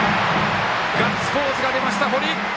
ガッツポーズが出ました、堀！